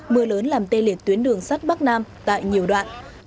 mưa lớn làm tê liệt tuyến đường sắt bắc nam tại nhiều đoạn